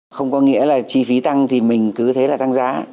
không có nghĩa là chi phí tăng thì mình cứ thế là tăng giá